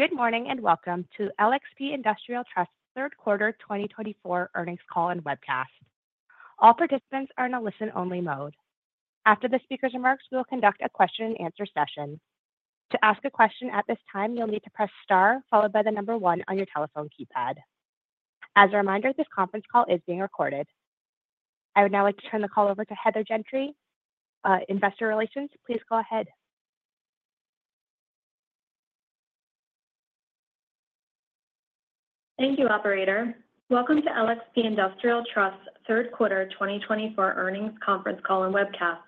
Good morning and welcome to LXP Industrial Trust's third quarter 2024 earnings call and webcast. All participants are in a listen-only mode. After the speaker's remarks, we will conduct a question-and-answer session. To ask a question at this time, you'll need to press star followed by the number one on your telephone keypad. As a reminder, this conference call is being recorded. I would now like to turn the call over to Heather Gentry, Investor Relations. Please go ahead. Thank you, Operator. Welcome to LXP Industrial Trust's third quarter 2024 earnings conference call and webcast.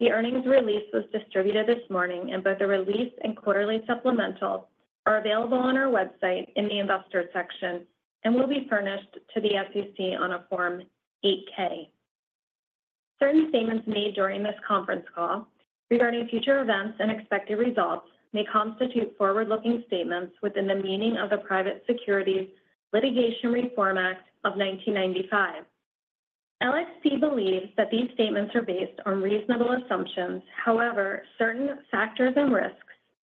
The earnings release was distributed this morning, and both the release and quarterly supplemental are available on our website in the investor section and will be furnished to the SEC on a Form 8-K. Certain statements made during this conference call regarding future events and expected results may constitute forward-looking statements within the meaning of the Private Securities Litigation Reform Act of 1995. LXP believes that these statements are based on reasonable assumptions. However, certain factors and risks,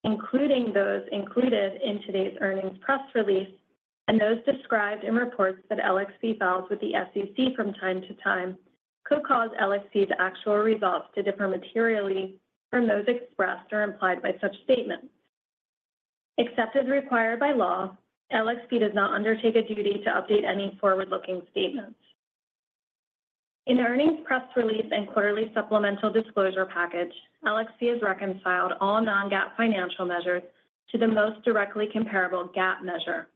including those included in today's earnings press release and those described in reports that LXP files with the SEC from time to time, could cause LXP's actual results to differ materially from those expressed or implied by such statements. Except as required by law, LXP does not undertake a duty to update any forward-looking statements. In the earnings press release and quarterly supplemental disclosure package, LXP has reconciled all non-GAAP financial measures to the most directly comparable GAAP measure.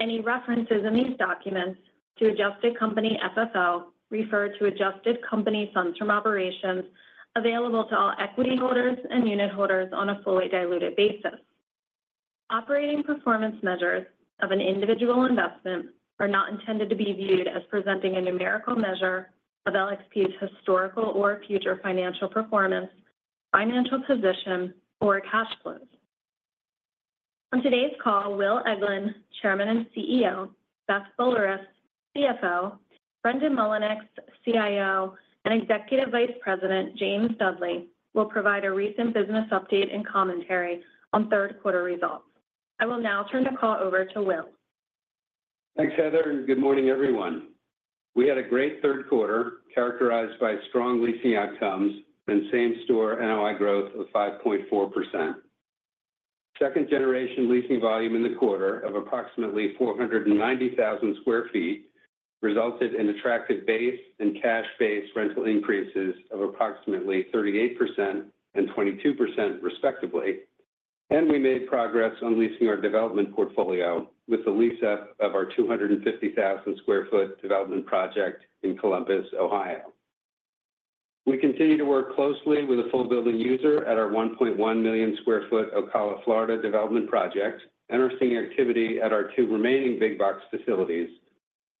Any references in these documents to adjusted company FFO refer to adjusted company funds from operations available to all equity holders and unit holders on a fully diluted basis. Operating performance measures of an individual investment are not intended to be viewed as presenting a numerical measure of LXP's historical or future financial performance, financial position, or cash flows. From today's call, Will Eglin, Chairman and CEO, Beth Boulerice, CFO, Brendan Mullinix, CIO, and Executive Vice President James Dudley, will provide a recent business update and commentary on third quarter results. I will now turn the call over to Will. Thanks, Heather. Good morning, everyone. We had a great third quarter characterized by strong leasing outcomes and Same-Store NOI growth of 5.4%. Second-generation leasing volume in the quarter of approximately 490,000 sq ft resulted in attractive base and cash-based rental increases of approximately 38% and 22%, respectively. We made progress on leasing our development portfolio with the lease of our 250,000 sq ft development project in Columbus, Ohio. We continue to work closely with a full-building user at our 1.1 million sq ft Ocala, Florida development project and are seeing activity at our two remaining big box facilities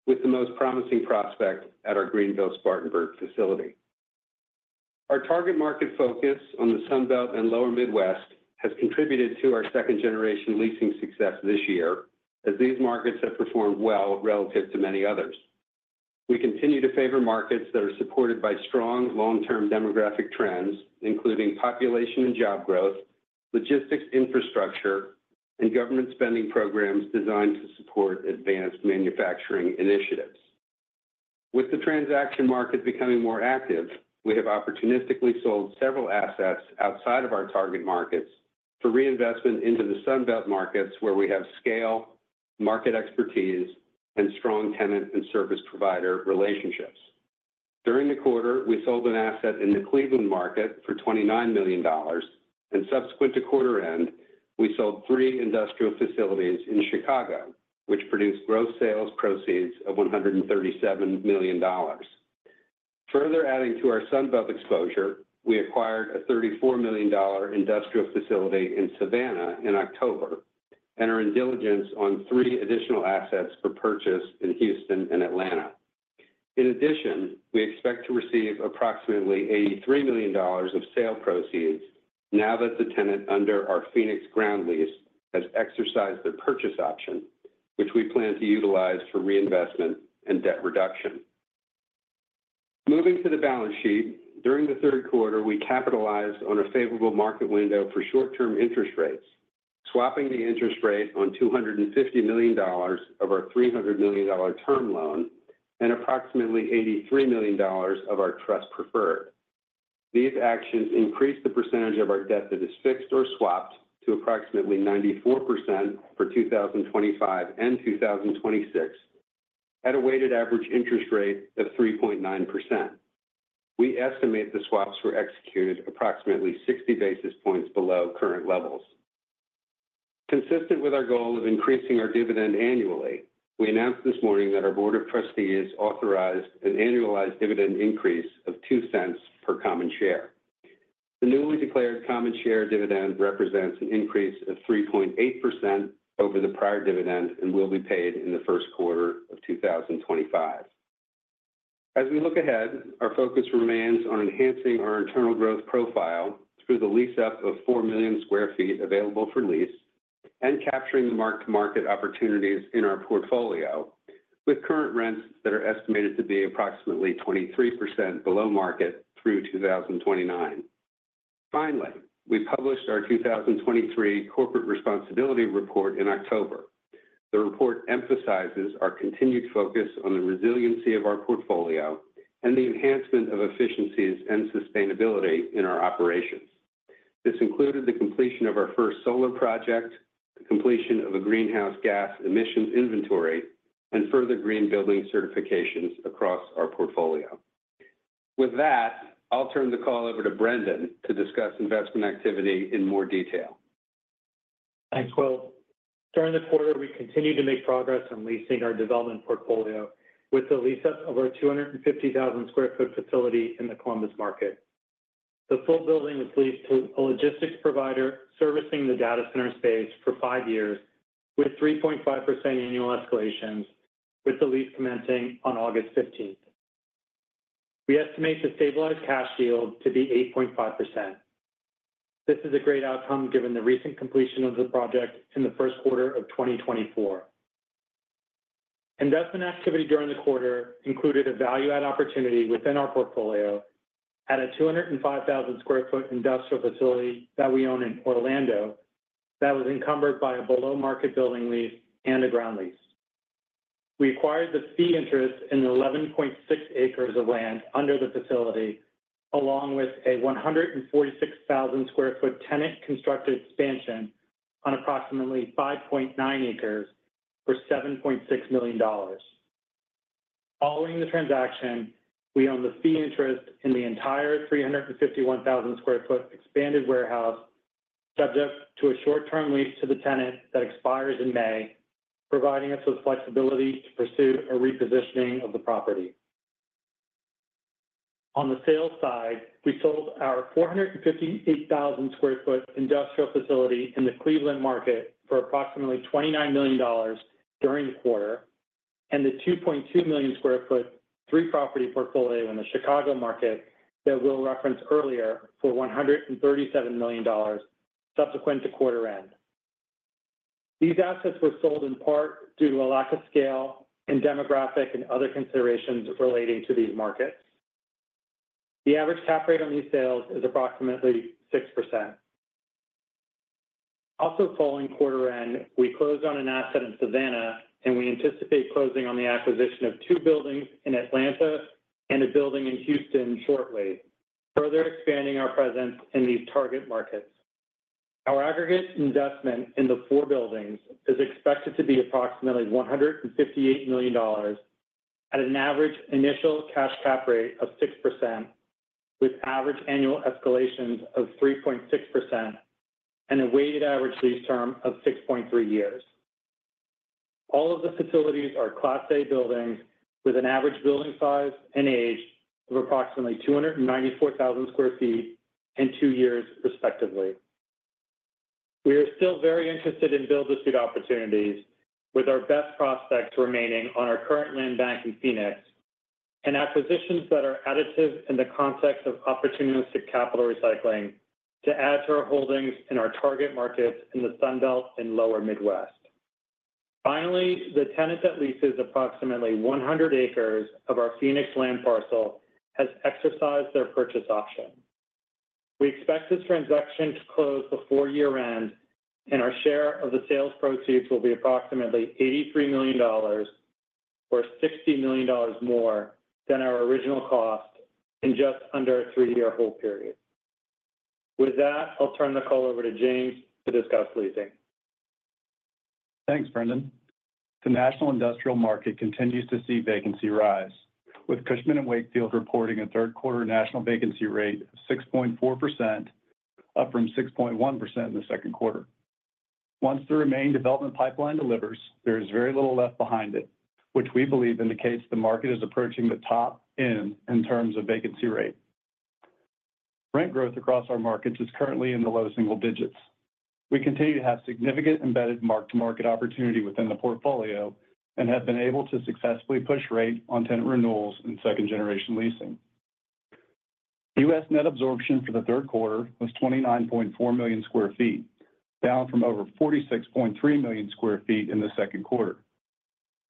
with the most promising prospect at our Greenville-Spartanburg facility. Our target market focus on the Sunbelt and Lower Midwest has contributed to our second-generation leasing success this year, as these markets have performed well relative to many others. We continue to favor markets that are supported by strong long-term demographic trends, including population and job growth, logistics infrastructure, and government spending programs designed to support advanced manufacturing initiatives. With the transaction market becoming more active, we have opportunistically sold several assets outside of our target markets for reinvestment into the Sunbelt markets, where we have scale, market expertise, and strong tenant and service provider relationships. During the quarter, we sold an asset in the Cleveland market for $29 million, and subsequent to quarter end, we sold three industrial facilities in Chicago, which produced gross sales proceeds of $137 million. Further adding to our Sunbelt exposure, we acquired a $34 million industrial facility in Savannah in October and are in diligence on three additional assets for purchase in Houston and Atlanta. In addition, we expect to receive approximately $83 million of sale proceeds now that the tenant under our Phoenix ground lease has exercised the purchase option, which we plan to utilize for reinvestment and debt reduction. Moving to the balance sheet, during the third quarter, we capitalized on a favorable market window for short-term interest rates, swapping the interest rate on $250 million of our $300 million term loan and approximately $83 million of our trust preferred. These actions increased the percentage of our debt that is fixed or swapped to approximately 94% for 2025 and 2026 at a weighted average interest rate of 3.9%. We estimate the swaps were executed approximately 60 basis points below current levels. Consistent with our goal of increasing our dividend annually, we announced this morning that our Board of Trustees authorized an annualized dividend increase of $0.02 per common share. The newly declared common share dividend represents an increase of 3.8% over the prior dividend and will be paid in the first quarter of 2025. As we look ahead, our focus remains on enhancing our internal growth profile through the lease-up of four million sq ft available for lease and capturing the mark-to-market opportunities in our portfolio, with current rents that are estimated to be approximately 23% below market through 2029. Finally, we published our 2023 corporate responsibility report in October. The report emphasizes our continued focus on the resiliency of our portfolio and the enhancement of efficiencies and sustainability in our operations. This included the completion of our first solar project, the completion of a greenhouse gas emissions inventory, and further green building certifications across our portfolio. With that, I'll turn the call over to Brendan to discuss investment activity in more detail. Thanks, Will. During the quarter, we continued to make progress on leasing our development portfolio with the lease-up of our 250,000 sq ft facility in the Columbus market. The full building was leased to a logistics provider servicing the data center space for five years with 3.5% annual escalations, with the lease commencing on August 15th. We estimate the stabilized cash yield to be 8.5%. This is a great outcome given the recent completion of the project in the first quarter of 2024. Investment activity during the quarter included a value-add opportunity within our portfolio at a 205,000 sq ft industrial facility that we own in Orlando that was encumbered by a below-market building lease and a ground lease. We acquired the fee interest in 11.6 acres of land under the facility, along with a 146,000 sq ft tenant-constructed expansion on approximately 5.9 acres for $7.6 million. Following the transaction, we own the fee interest in the entire 351,000 sq ft expanded warehouse, subject to a short-term lease to the tenant that expires in May, providing us with flexibility to pursue a repositioning of the property. On the sales side, we sold our 458,000 sq ft industrial facility in the Cleveland market for approximately $29 million during the quarter and the 2.2 million sq ft three-property portfolio in the Chicago market that Will referenced earlier for $137 million subsequent to quarter end. These assets were sold in part due to a lack of scale and demographic and other considerations relating to these markets. The average cap rate on these sales is approximately 6%. Also following quarter end, we closed on an asset in Savannah, and we anticipate closing on the acquisition of two buildings in Atlanta and a building in Houston shortly, further expanding our presence in these target markets. Our aggregate investment in the four buildings is expected to be approximately $158 million at an average initial cash cap rate of 6%, with average annual escalations of 3.6% and a weighted average lease term of 6.3 years. All of the facilities are Class A buildings with an average building size and age of approximately 294,000 sq ft and two years, respectively. We are still very interested in build-to-suit opportunities, with our best prospect remaining on our current land bank in Phoenix and acquisitions that are additive in the context of opportunistic capital recycling to add to our holdings in our target markets in the Sunbelt and Lower Midwest. Finally, the tenant that leases approximately 100 acres of our Phoenix land parcel has exercised their purchase option. We expect this transaction to close before year-end, and our share of the sales proceeds will be approximately $83 million, or $60 million more than our original cost in just under a three-year hold period. With that, I'll turn the call over to James to discuss leasing. Thanks, Brendan. The national industrial market continues to see vacancy rise, with Cushman & Wakefield reporting a third quarter national vacancy rate of 6.4%, up from 6.1% in the second quarter. Once the remaining development pipeline delivers, there is very little left behind it, which we believe indicates the market is approaching the top end in terms of vacancy rate. Rent growth across our markets is currently in the low single digits. We continue to have significant embedded mark-to-market opportunity within the portfolio and have been able to successfully push rate on tenant renewals and second-generation leasing. U.S. net absorption for the third quarter was 29.4 million sq ft, down from over 46.3 million sq ft in the second quarter.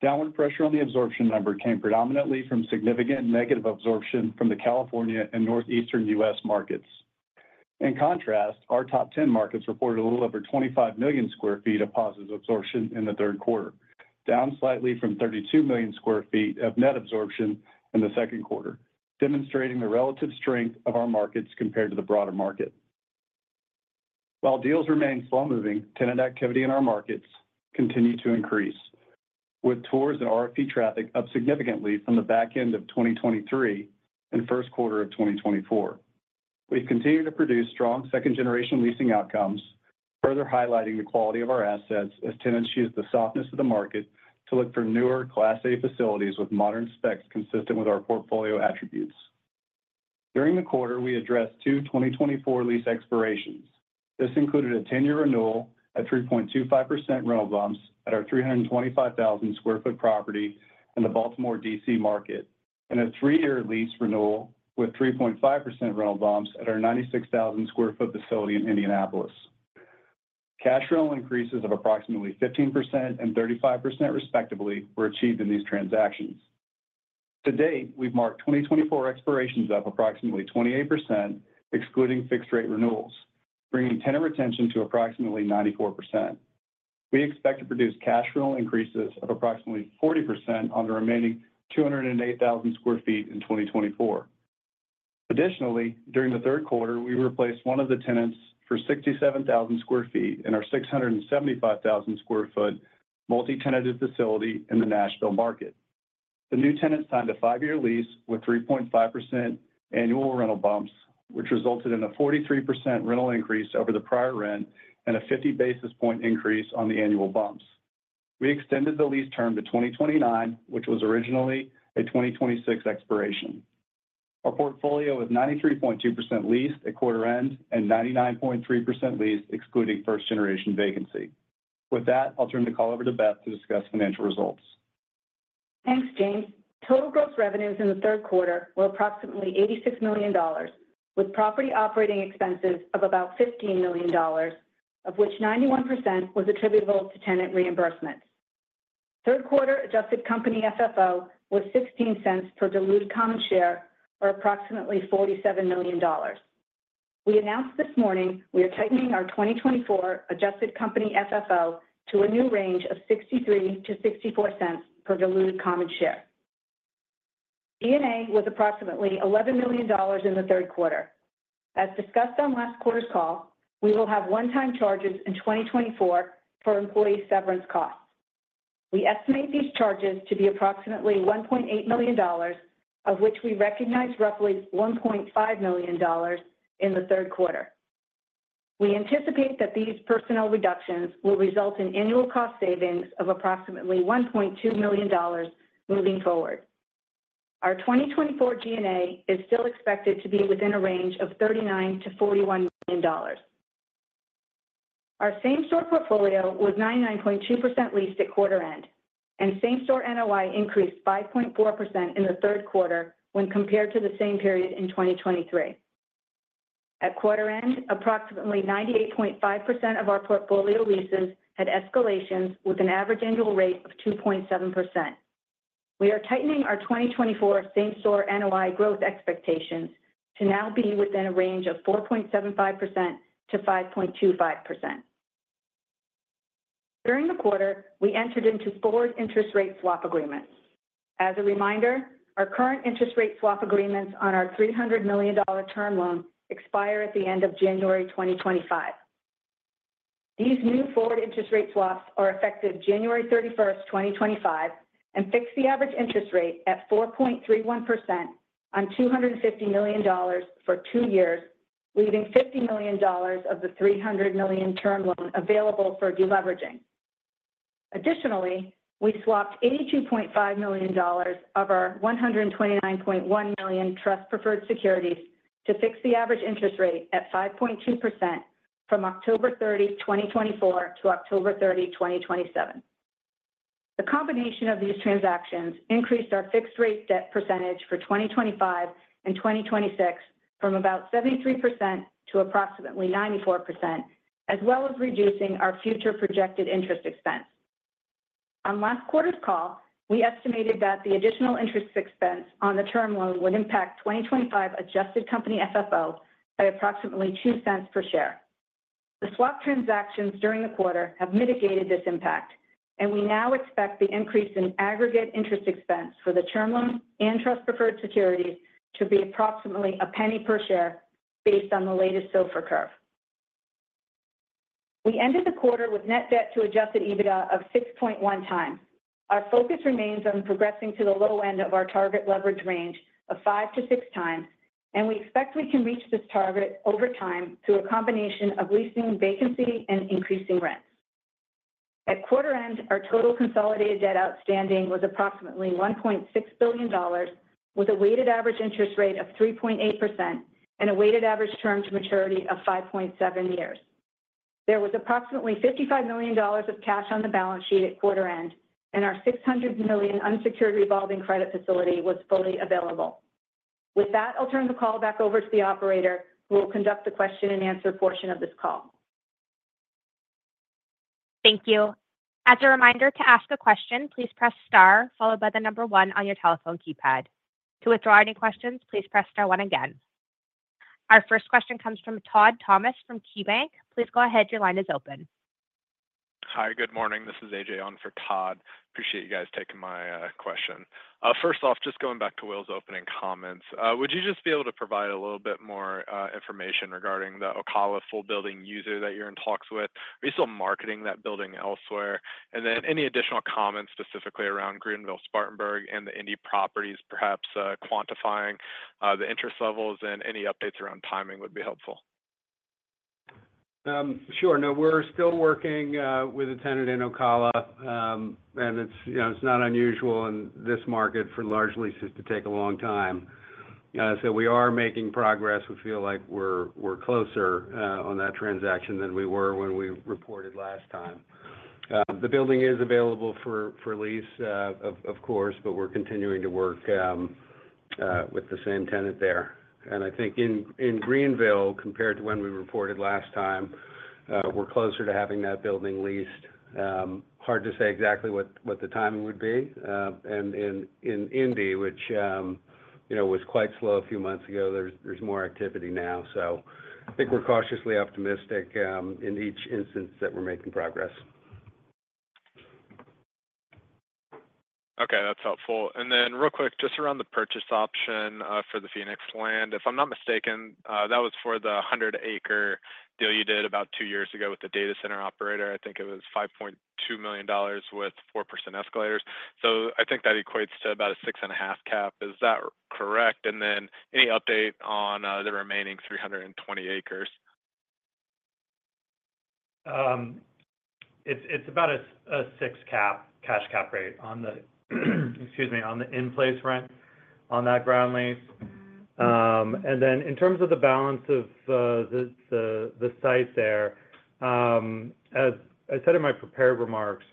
Downward pressure on the absorption number came predominantly from significant negative absorption from the California and Northeastern U.S. markets. In contrast, our top 10 markets reported a little over 25 million sq ft of positive absorption in the third quarter, down slightly from 32 million sq ft of net absorption in the second quarter, demonstrating the relative strength of our markets compared to the broader market. While deals remain slow-moving, tenant activity in our markets continues to increase, with tours and RFP traffic up significantly from the back end of 2023 and first quarter of 2024. We continue to produce strong second-generation leasing outcomes, further highlighting the quality of our assets as tenants use the softness of the market to look for newer Class A facilities with modern specs consistent with our portfolio attributes. During the quarter, we addressed two 2024 lease expirations. This included a 10-year renewal at 3.25% rental bumps at our 325,000 sq ft property in the Baltimore, D.C. market, and a three-year lease renewal with 3.5% rental bumps at our 96,000 sq ft facility in Indianapolis. Cash rental increases of approximately 15% and 35%, respectively, were achieved in these transactions. To date, we've marked 2024 expirations up approximately 28%, excluding fixed-rate renewals, bringing tenant retention to approximately 94%. We expect to produce cash rental increases of approximately 40% on the remaining 208,000 sq ft in 2024. Additionally, during the third quarter, we replaced one of the tenants for 67,000 sq ft in our 675,000 sq ft multi-tenanted facility in the Nashville market. The new tenants signed a five-year lease with 3.5% annual rental bumps, which resulted in a 43% rental increase over the prior rent and a 50 basis point increase on the annual bumps. We extended the lease term to 2029, which was originally a 2026 expiration. Our portfolio is 93.2% leased at quarter end and 99.3% leased, excluding first-generation vacancy. With that, I'll turn the call over to Beth to discuss financial results. Thanks, James. Total gross revenues in the third quarter were approximately $86 million, with property operating expenses of about $15 million, of which 91% was attributable to tenant reimbursements. Third quarter Adjusted Company FFO was $0.16 per diluted common share, or approximately $47 million. We announced this morning we are tightening our 2024 Adjusted Company FFO to a new range of $0.63-$0.64 per diluted common share. G&A was approximately $11 million in the third quarter. As discussed on last quarter's call, we will have one-time charges in 2024 for employee severance costs. We estimate these charges to be approximately $1.8 million, of which we recognize roughly $1.5 million in the third quarter. We anticipate that these personnel reductions will result in annual cost savings of approximately $1.2 million moving forward. Our 2024 G&A is still expected to be within a range of $39-$41 million. Our same-store portfolio was 99.2% leased at quarter end, and same-store NOI increased 5.4% in the third quarter when compared to the same period in 2023. At quarter end, approximately 98.5% of our portfolio leases had escalations with an average annual rate of 2.7%. We are tightening our 2024 same-store NOI growth expectations to now be within a range of 4.75% to 5.25%. During the quarter, we entered into forward interest rate swap agreements. As a reminder, our current interest rate swap agreements on our $300 million term loan expire at the end of January 2025. These new forward interest rate swaps are effective January 31st, 2025, and fix the average interest rate at 4.31% on $250 million for two years, leaving $50 million of the $300 million term loan available for deleveraging. Additionally, we swapped $82.5 million of our $129.1 million Trust Preferred Securities to fix the average interest rate at 5.2% from October 30, 2024, to October 30, 2027. The combination of these transactions increased our fixed-rate debt percentage for 2025 and 2026 from about 73% to approximately 94%, as well as reducing our future projected interest expense. On last quarter's call, we estimated that the additional interest expense on the term loan would impact 2025 Adjusted Company FFO by approximately $0.02 per share. The swap transactions during the quarter have mitigated this impact, and we now expect the increase in aggregate interest expense for the term loan and Trust Preferred Securities to be approximately $0.01 per share based on the latest SOFR curve. We ended the quarter with net debt to Adjusted EBITDA of 6.1 times. Our focus remains on progressing to the low end of our target leverage range of five to six times, and we expect we can reach this target over time through a combination of leasing, vacancy, and increasing rents. At quarter end, our total consolidated debt outstanding was approximately $1.6 billion, with a weighted average interest rate of 3.8% and a weighted average term to maturity of 5.7 years. There was approximately $55 million of cash on the balance sheet at quarter end, and our $600 million unsecured revolving credit facility was fully available. With that, I'll turn the call back over to the operator, who will conduct the question-and-answer portion of this call. Thank you. As a reminder, to ask a question, please press star, followed by the number one on your telephone keypad. To withdraw any questions, please press star one again. Our first question comes from Todd Thomas from KeyBank. Please go ahead. Your line is open. Hi, good morning. This is A.J. Oden for Todd. Appreciate you guys taking my question. First off, just going back to Will's opening comments, would you just be able to provide a little bit more information regarding the Ocala full building user that you're in talks with? Are you still marketing that building elsewhere? And then any additional comments specifically around Greenville-Spartanburg, and the Indy properties, perhaps quantifying the interest levels and any updates around timing would be helpful. Sure. No, we're still working with a tenant in Ocala, and it's not unusual in this market for large leases to take a long time, so we are making progress. We feel like we're closer on that transaction than we were when we reported last time. The building is available for lease, of course, but we're continuing to work with the same tenant there, and I think in Greenville, compared to when we reported last time, we're closer to having that building leased. Hard to say exactly what the timing would be, and in Indy, which was quite slow a few months ago, there's more activity now, so I think we're cautiously optimistic in each instance that we're making progress. Okay. That's helpful. And then real quick, just around the purchase option for the Phoenix land, if I'm not mistaken, that was for the 100-acre deal you did about two years ago with the data center operator. I think it was $5.2 million with 4% escalators. So I think that equates to about a 6.5 cap. Is that correct? And then any update on the remaining 320 acres? It's about a 6 cap cash cap rate on the, excuse me, on the in-place rent on that ground lease. Then in terms of the balance of the site there, as I said in my prepared remarks,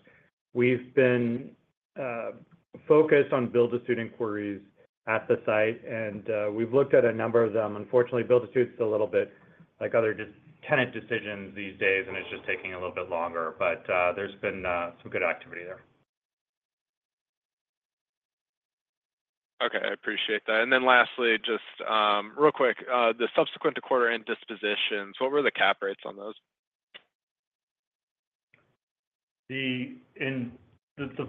we've been focused on build-to-suit inquiries at the site, and we've looked at a number of them. Unfortunately, build-to-suit is a little bit like other just tenant decisions these days, and it's just taking a little bit longer, but there's been some good activity there. Okay. I appreciate that. And then lastly, just real quick, the subsequent to quarter-end dispositions, what were the cap rates on those? The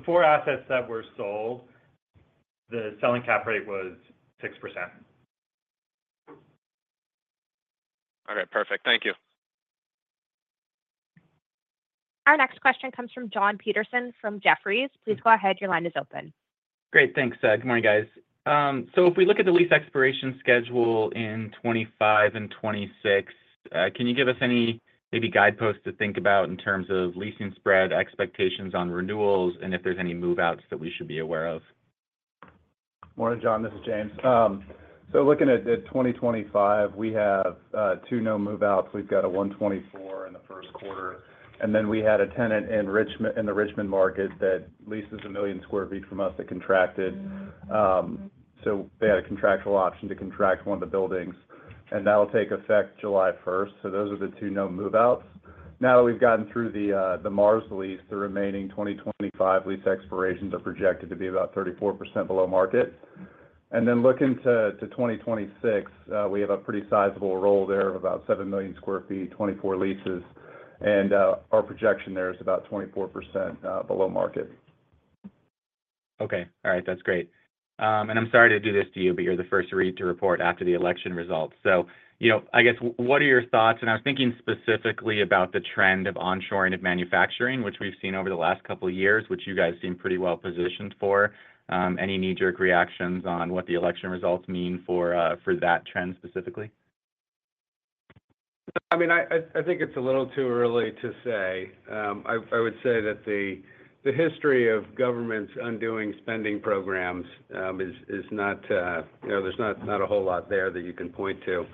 four assets that were sold. The selling cap rate was 6%. Okay. Perfect. Thank you. Our next question comes from Jon Peterson from Jefferies. Please go ahead. Your line is open. Great. Thanks. Good morning, guys. So if we look at the lease expiration schedule in 2025 and 2026, can you give us any maybe guideposts to think about in terms of leasing spread expectations on renewals and if there's any move-outs that we should be aware of? Morning, John. This is James. Looking at 2025, we have two known move-outs. We've got a 124 in the first quarter. Then we had a tenant in the Richmond market that leases 1 million sq ft from us that contracted. They had a contractual option to contract one of the buildings, and that'll take effect July 1st. Those are the two known move-outs. Now that we've gotten through the Mars lease, the remaining 2025 lease expirations are projected to be about 34% below market. Looking to 2026, we have a pretty sizable roll there of about 7 million sq ft, 24 leases, and our projection there is about 24% below market. Okay. All right. That's great. I'm sorry to do this to you, but you're the first REIT to report after the election results. So I guess, what are your thoughts? I was thinking specifically about the trend of onshoring of manufacturing, which we've seen over the last couple of years, which you guys seem pretty well positioned for. Any knee-jerk reactions on what the election results mean for that trend specifically? I mean, I think it's a little too early to say. I would say that the history of government's undoing spending programs is not. There's not a whole lot there that you can point to.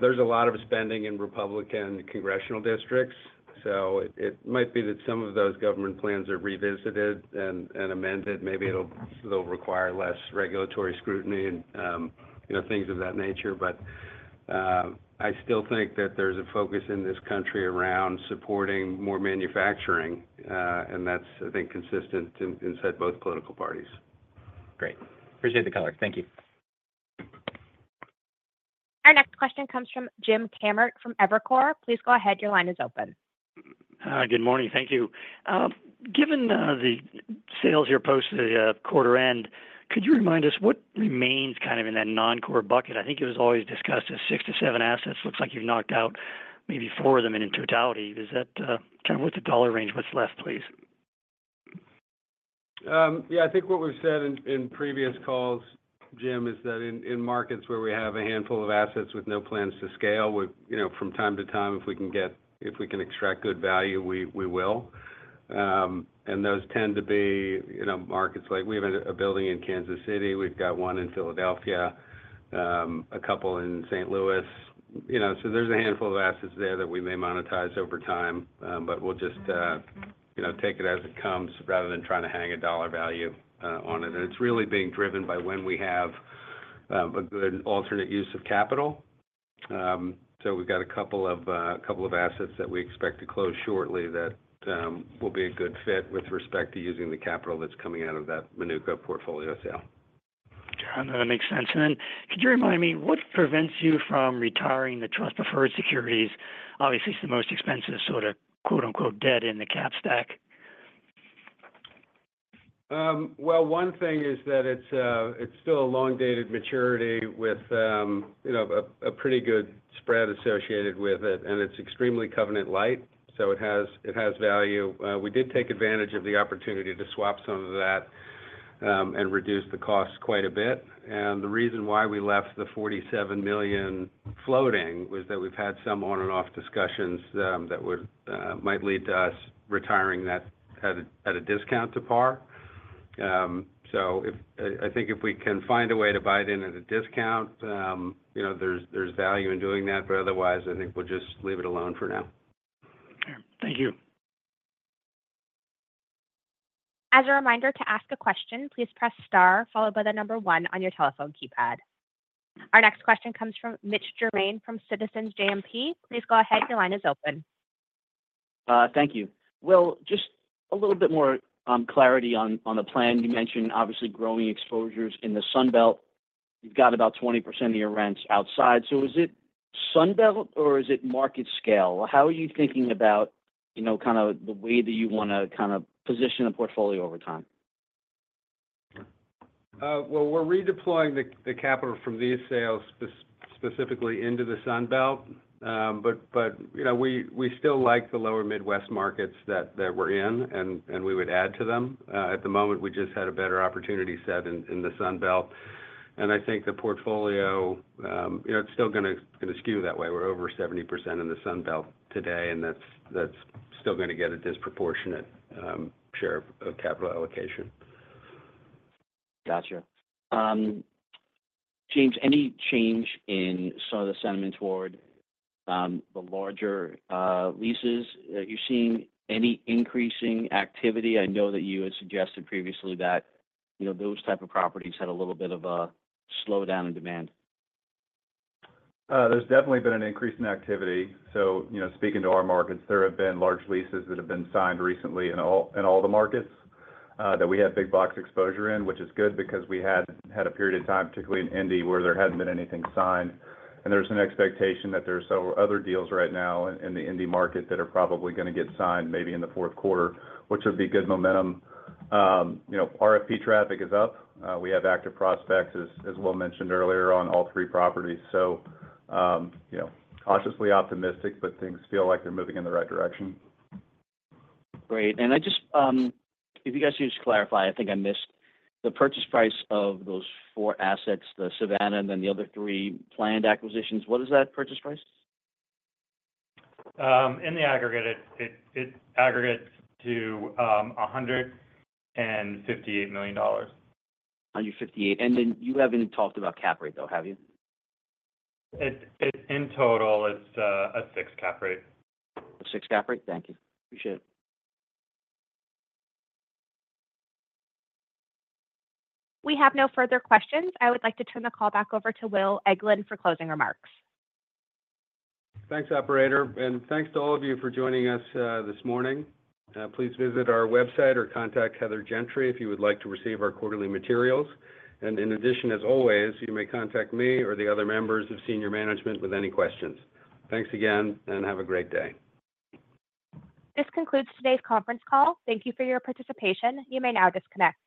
There's a lot of spending in Republican congressional districts, so it might be that some of those government plans are revisited and amended. Maybe it'll require less regulatory scrutiny and things of that nature. But I still think that there's a focus in this country around supporting more manufacturing, and that's, I think, consistent inside both political parties. Great. Appreciate the color. Thank you. Our next question comes from Jim Kammert from Evercore. Please go ahead. Your line is open. Good morning. Thank you. Given the sales here post the quarter end, could you remind us what remains kind of in that non-core bucket? I think it was always discussed as six to seven assets. Looks like you've knocked out maybe four of them in totality. Is that kind of what's the dollar range? What's left, please? Yeah. I think what we've said in previous calls, Jim, is that in markets where we have a handful of assets with no plans to scale, from time to time, if we can extract good value, we will. And those tend to be markets like we have a building in Kansas City. We've got one in Philadelphia, a couple in St. Louis. So there's a handful of assets there that we may monetize over time, but we'll just take it as it comes rather than trying to hang a dollar value on it. And it's really being driven by when we have a good alternate use of capital. So we've got a couple of assets that we expect to close shortly that will be a good fit with respect to using the capital that's coming out of that Minooka portfolio sale. John, that makes sense. And then could you remind me, what prevents you from retiring the Trust Preferred Securities? Obviously, it's the most expensive sort of "debt" in the cap stack. One thing is that it's still a long-dated maturity with a pretty good spread associated with it, and it's extremely covenant-light, so it has value. We did take advantage of the opportunity to swap some of that and reduce the cost quite a bit. The reason why we left the $47 million floating was that we've had some on-and-off discussions that might lead to us retiring that at a discount to par. I think if we can find a way to buy it in at a discount, there's value in doing that, but otherwise, I think we'll just leave it alone for now. Thank you. As a reminder to ask a question, please press star, followed by the number one on your telephone keypad. Our next question comes from Mitch Germain from Citizens JMP. Please go ahead. Your line is open. Thank you. Just a little bit more clarity on the plan. You mentioned, obviously, growing exposures in the Sunbelt. You've got about 20% of your rents outside. Is it Sunbelt or is it market scale? How are you thinking about kind of the way that you want to kind of position a portfolio over time? We're redeploying the capital from these sales specifically into the Sunbelt, but we still like the Lower Midwest markets that we're in, and we would add to them. At the moment, we just had a better opportunity set in the Sunbelt. I think the portfolio, it's still going to skew that way. We're over 70% in the Sunbelt today, and that's still going to get a disproportionate share of capital allocation. Gotcha. James, any change in some of the sentiment toward the larger leases? Are you seeing any increasing activity? I know that you had suggested previously that those types of properties had a little bit of a slowdown in demand. There's definitely been an increase in activity, so speaking to our markets, there have been large leases that have been signed recently in all the markets that we have big box exposure in, which is good because we had a period of time, particularly in Indy, where there hadn't been anything signed, and there's an expectation that there are several other deals right now in the Indy market that are probably going to get signed maybe in the fourth quarter, which would be good momentum. RFP traffic is up. We have active prospects, as Will mentioned earlier, on all three properties, so cautiously optimistic, but things feel like they're moving in the right direction. Great. And if you guys could just clarify, I think I missed the purchase price of those four assets, the Savannah and then the other three planned acquisitions. What is that purchase price? In the aggregate, it aggregates to $158 million. $158, and then you haven't even talked about cap rate, though, have you? In total, it's a six cap rate. A 6 cap rate. Thank you. Appreciate it. We have no further questions. I would like to turn the call back over to Will Eglin for closing remarks. Thanks, operator. And thanks to all of you for joining us this morning. Please visit our website or contact Heather Gentry if you would like to receive our quarterly materials. And in addition, as always, you may contact me or the other members of senior management with any questions. Thanks again, and have a great day. This concludes today's conference call. Thank you for your participation. You may now disconnect.